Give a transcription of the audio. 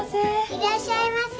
いらっしゃいませ。